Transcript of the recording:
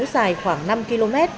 dài khoảng năm km